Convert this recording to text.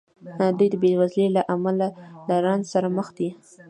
دوی د بېوزلۍ له امله له رنځ سره مخ دي.